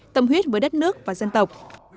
tâm huyết với đất nước và dân tộc